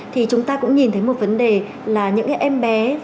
thì chúng ta cũng nhìn thấy một vấn đề là những cái em bé